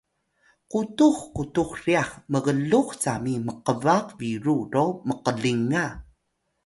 qutux qutux ryax mglux cami mqbaq biru ro mqlinga